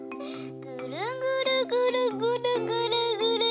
ぐるぐるぐるぐるぐるぐるぐるぐる。